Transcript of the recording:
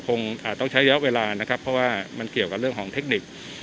คงอาจต้องใช้ระยะเวลานะครับเพราะว่ามันเกี่ยวกับเรื่องของเทคนิค